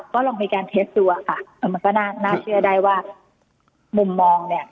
ก็ลองไปการค่ะมันก็น่าน่าเชื่อได้ว่ามุมมองเนี่ย